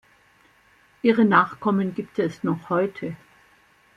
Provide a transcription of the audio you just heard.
Ihre Nachkommen gibt es noch heute.